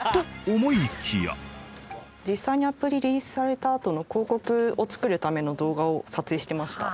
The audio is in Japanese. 実際にＡｐｐでリリースされたあとの広告を作るための動画を撮影してました。